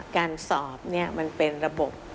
การสอบมันเป็นระบบ